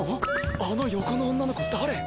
あの横の女の子誰？